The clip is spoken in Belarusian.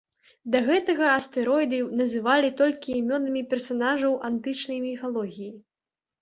Да гэтага астэроіды называлі толькі імёнамі персанажаў антычнай міфалогіі.